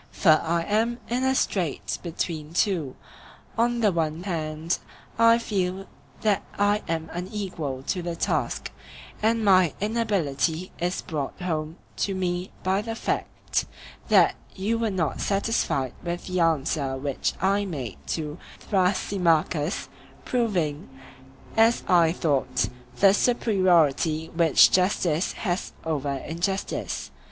For I am in a strait between two; on the one hand I feel that I am unequal to the task; and my inability is brought home to me by the fact that you were not satisfied with the answer which I made to Thrasymachus, proving, as I thought, the superiority which justice has over injustice.